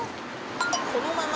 このまま。